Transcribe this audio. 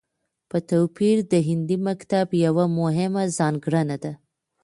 په توپير د هندي مکتب يوه مهمه ځانګړنه ده